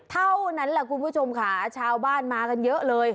เท่านั้นแหละคุณผู้ชมค่ะชาวบ้านมากันเยอะเลย